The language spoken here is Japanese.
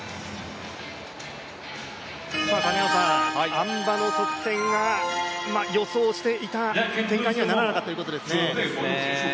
あん馬の得点が予想していた展開にはならなかったということですね。